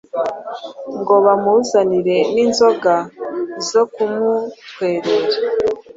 ngo bamuzanire n'inzoga zo kumutwerera.